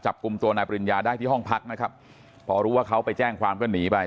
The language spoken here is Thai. จับกลุ่มตัวนายปริญญาได้ที่ห้องพักนะครับพอรู้ว่าเขาไปแจ้งความก็หนีไป